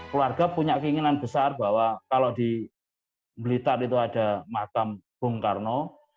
keluarga punya keinginan besar bahwa kalau di blitar itu ada makam bung karno